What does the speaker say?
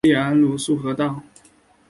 隶安庐滁和道。